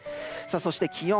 そして、気温。